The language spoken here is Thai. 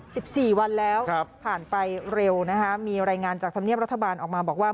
สิบสี่วันแล้วครับผ่านไปเร็วนะคะมีรายงานจากธรรมเนียบรัฐบาลออกมาบอกว่า